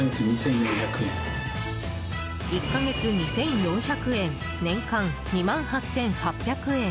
１か月２４００円年間２万８８００円。